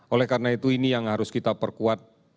oleh karena itu ini yang harus kita perkuat